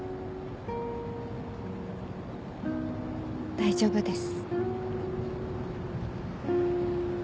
大丈夫です。